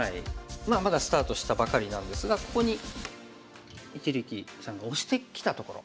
まあまだスタートしたばかりなんですがここに一力さんがオシてきたところ。